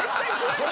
それ。